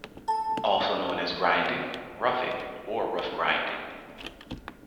Also known as grinding, roughing or rough grinding.